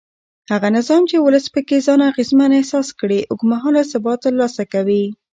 هغه نظام چې ولس پکې ځان اغېزمن احساس کړي اوږد مهاله ثبات ترلاسه کوي